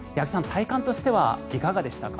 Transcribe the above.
体感としてはいかがでしたか？